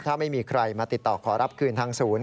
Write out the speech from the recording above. ถ้าไม่มีใครมาติดต่อขอรับคืนทางศูนย์